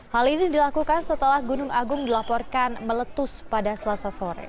hal ini dilakukan setelah gunung agung dilaporkan meletus pada selasa sore